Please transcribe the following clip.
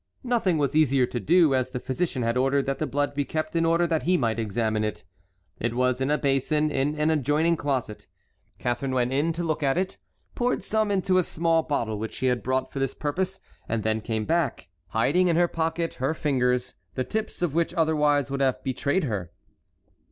Nothing was easier to do, as the physician had ordered that the blood be kept in order that he might examine it. It was in a basin in an adjoining closet. Catharine went in to look at it, poured some into a small bottle which she had brought for this purpose; and then came back, hiding in her pocket her fingers, the tips of which otherwise would have betrayed her.